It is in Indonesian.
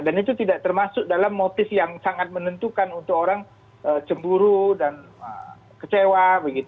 dan itu tidak termasuk dalam motif yang sangat menentukan untuk orang cemburu dan kecewa